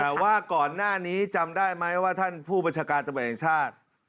แต่ว่าก่อนหน้านี้จำได้ไหมว่าท่านผู้บัญชาการตำรวจแห่งชาติ